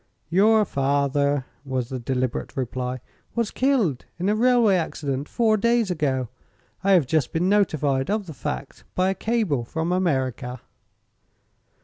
"Your father," was the deliberate reply, "was killed in a railway accident, four days ago. I have just been notified of the fact by a cable from America."